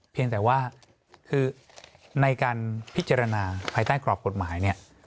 เพียงแต่ว่าคือในการพิจารณาภายใต้กรอบกฎหมายเนี่ย